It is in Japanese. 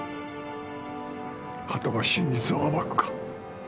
鳩が真実を暴くか。